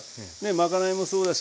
まかないもそうだし